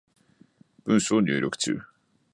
文章入力中